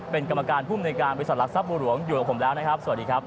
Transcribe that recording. เป็นกรรมการภูมิในการบริษัทหลักทรัพย์บัวหลวงอยู่กับผมแล้วนะครับสวัสดีครับ